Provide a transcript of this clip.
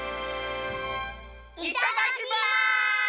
いただきます！